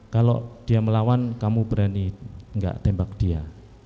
kalau dia melawan kamu berani enggak tembak dia